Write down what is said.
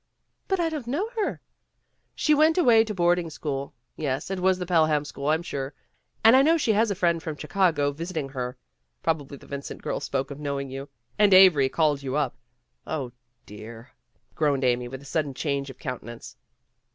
'' "But I don't know her/' "She went away to boarding school yes, it was the Pelham school, I'm sure. And I know she has a friend from Chicago visiting her. Probably the Vincent girl spoke of knowing you, and Avery called you up. 0, dear!" groaned Amy with a sudden change of counte nance.